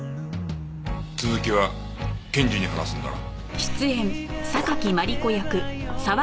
続きは検事に話すんだな。